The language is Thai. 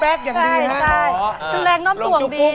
เพราะว่าเขามีแอร์แบ๊กอย่างดี